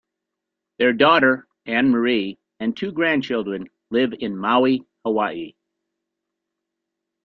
Their daughter, Anne Marie, and two grandchildren live in Maui, Hawaii.